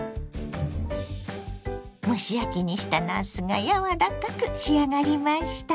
蒸し焼きにしたなすが柔らかく仕上がりました。